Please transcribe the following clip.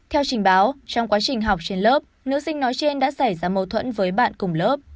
theo trình báo trong quá trình học trên lớp nữ sinh nói trên đã xảy ra mâu thuẫn với bạn cùng lớp